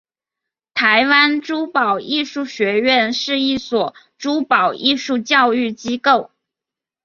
台湾珠宝艺术学院是一所珠宝艺术教育机构。